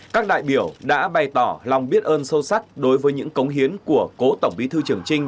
các đại biểu đã bày tỏ lòng biết ơn sâu sắc đối với những cống hiến của cố tổng bí thư trường trinh